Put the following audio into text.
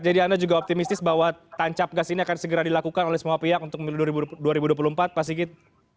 jadi anda juga optimistis bahwa tancap gas ini akan segera dilakukan oleh semua pihak untuk dua ribu dua puluh empat pak sigit